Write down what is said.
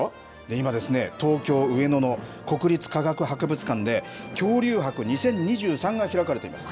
今ですね、東京・上野の国立科学博物館で、恐竜博２０２３が開かれています。